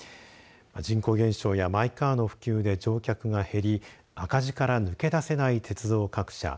人口減少やマイカーの普及で乗客が減り赤字から抜け出せない鉄道各社。